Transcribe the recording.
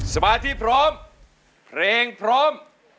สมาธิพร้อมเพลงพร้อม